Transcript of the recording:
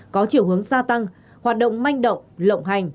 có chiều hướng gia tăng hoạt động manh động lộng hành